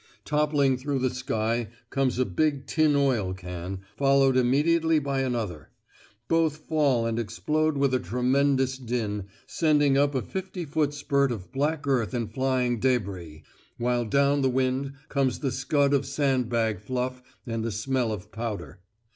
Toppling through the sky comes a big tin oil can, followed immediately by another; both fall and explode with a tremendous din, sending up a fifty foot spurt of black earth and flying débris, while down the wind comes the scud of sand bag fluff and the smell of powder.